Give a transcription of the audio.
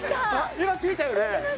今ついたよね